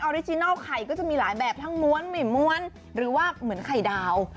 ริจินัลไข่ก็จะมีหลายแบบทั้งม้วนไม่ม้วนหรือว่าเหมือนไข่ดาว